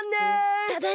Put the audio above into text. ただいま。